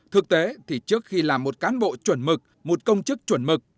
thực tế thì trước khi làm một cán bộ chuẩn mực một công chức chuẩn mực